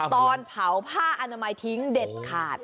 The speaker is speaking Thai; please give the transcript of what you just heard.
ตอนเผาผ้าอนามัยทิ้งเด็ดขาด